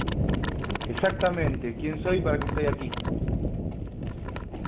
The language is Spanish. Exactamente quién soy y para qué estoy aquí